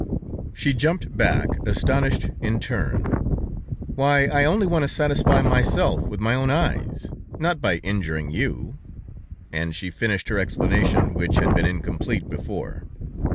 "She jumped back, astonished in turn: 'Why, I only want to satisfy myself with my own eyes; not by injuring you.' And she finished her explanation, which had been incomplete before.